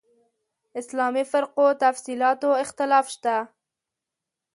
اسلامي فرقو تفصیلاتو اختلاف شته.